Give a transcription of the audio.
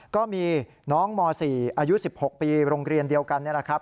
ก็มีน้องม๔อายุ๑๖ปีโรงเรียนเดียวกันนี่แหละครับ